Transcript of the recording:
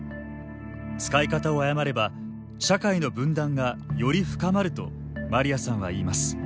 使い方を誤れば、社会の分断がより深まるとマリアさんはいいます。